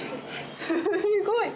すーごい。